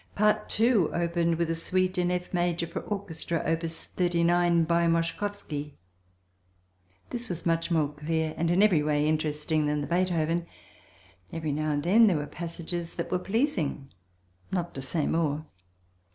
Part II opened with a suite in F Major for orchestra (op. 39) by Moszkowski. This was much more clear and, in every way, interesting than the Beethoven; every now and then there were passages that were pleasing, not to say more.